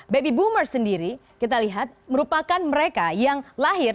baby boomers sendiri kita lihat merupakan mereka yang lahir